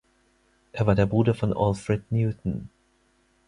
Er war der Bruder von Alfred Newton.